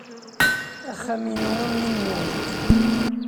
Axxam-inu am win-nwent.